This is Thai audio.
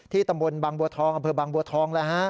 ตำบลบางบัวทองอำเภอบางบัวทอง